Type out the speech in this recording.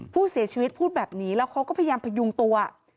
ผู้เสียชีวิตพูดแบบนี้แล้วเขาก็พยายามพยุงตัว